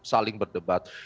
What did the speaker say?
kita akan saling berdebat